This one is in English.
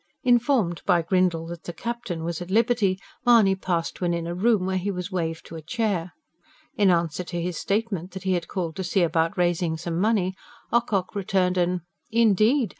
Informed by Grindle that the "Captain" was at liberty, Mahony passed to an inner room where he was waved to a chair. In answer to his statement that he had called to see about raising some money, Ocock returned an: "Indeed?